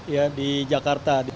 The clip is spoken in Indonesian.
ya di jakarta